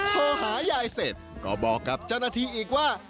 โทรหายายเสร็จก็บอกกับเจ้าหน้าที่อีกว่า